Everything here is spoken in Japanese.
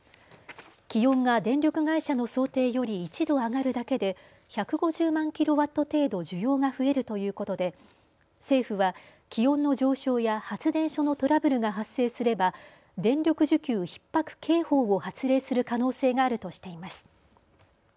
気温が電力会社の想定より１度上がるだけで１５０万キロワット程度需要が増えるということで政府は気温の上昇や発電所のトラブルが発生すれば電力需給ひっ迫警報を発令する可能性があるとしています。